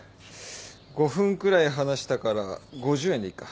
５分くらい話したから５０円でいっか。